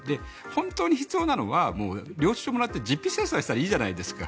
本当に必要なのは領収書をもらって実費精算したらいいじゃないですか。